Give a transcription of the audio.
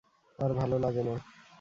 আর ভালো লাগে না।